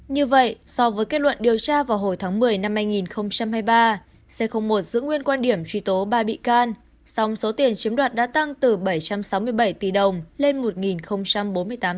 như vậy so với kết luận điều tra vào hồi tháng một mươi năm hai nghìn hai mươi ba c một giữ nguyên quan điểm truy tố ba bị can song số tiền chiếm đoạt đã tăng từ bảy trăm sáu mươi bảy tỷ đồng lên một bốn mươi tám tỷ đồng